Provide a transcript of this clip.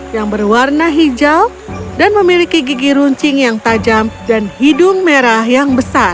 yang berwarna hijau dan memiliki gigi runcing yang tajam dan hidung merah yang besar